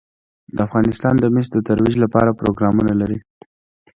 افغانستان د مس د ترویج لپاره پروګرامونه لري.